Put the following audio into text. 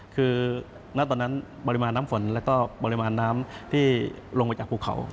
คือณตอนนั้นปริมาณน้ำฝนแล้วก็ปริมาณน้ำที่ลงมาจากภูเขา